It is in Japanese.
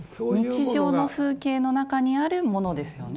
日常の風景の中にあるものですよね。